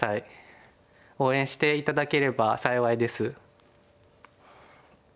応援して頂ければ幸いです。